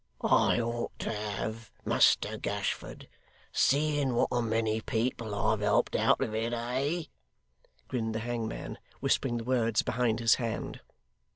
'I ought to have, Muster Gashford, seeing what a many people I've helped out of it, eh?' grinned the hangman, whispering the words behind his hand.